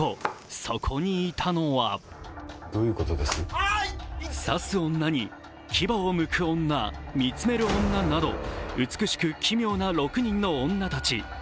そこにいたのは刺す女に、牙をむく女、見つめる女など美しく奇妙な６人の女たち。